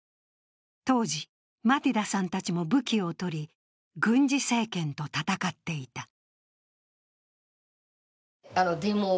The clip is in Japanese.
当時、マティダさんたちも武器を取り、軍事政権と戦っていた。